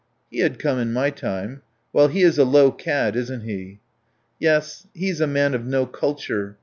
"He had come in my time. Well, he is a low cad, isn't he?" "Yes, he is a man of no culture.